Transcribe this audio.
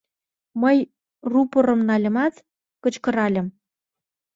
Мый, рупорым нальымат, кычкыральым: